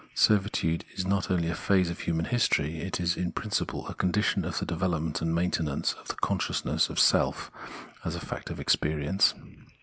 Servitude is not only a phase of human history, it is in principle a condition of the development and maintenance of the consciousness of self as a fact of experience.